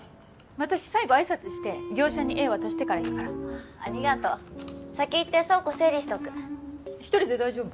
私最後挨拶して業者に絵渡してから行くからありがとう先行って倉庫整理しとく１人で大丈夫？